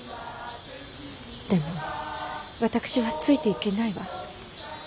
でも私はついていけないわ。